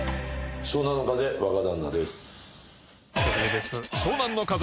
湘南乃風若旦那です。